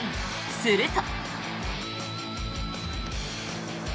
すると。